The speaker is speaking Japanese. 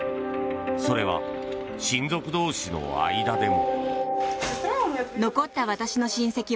それは、親族同士の間でも。